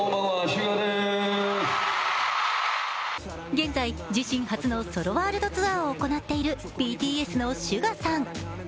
現在、自身初のソロワールドツアーを行っているＢＴＳのＳＵＧＡさん。